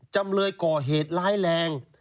จำเลยก่อเหตุร้ายแรง